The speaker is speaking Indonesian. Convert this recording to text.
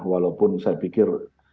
walaupun saya pikir